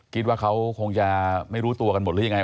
คิดว่าเขาคงจะไม่รู้ตัวกันหมดหรือยังไง